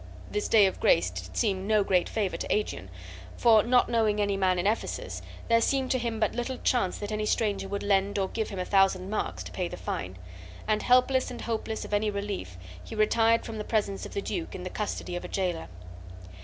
This day of grace did seem no great favor to Aegeon, for, not knowing any man in Ephesus, there seemed to him but little chance that any stranger would lend or give him a thousand marks to pay the fine; and, helpless and hopeless of any relief, he retired from the presence of the duke in the custody of a jailer.